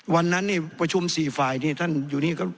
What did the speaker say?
วันนั้นประชุมสี่ฝ่ายนี่ท่านอยู่นี่